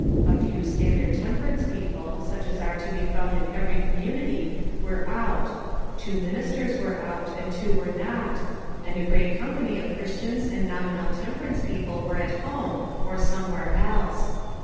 A few standard temperance people, such as are to be found in every community, were out; two ministers were out, and two were not, and a great company of Christians and nominal temperance people were at home, or somewhere else.